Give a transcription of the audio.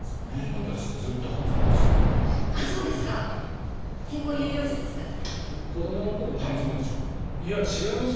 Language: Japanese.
私ずっと半ズボンでしたよ。